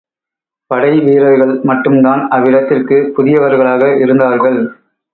படை வீரர்கள் மட்டுதான் அவ்விடத்திற்குப் புதியவர்களாக இருந்தார்கள்.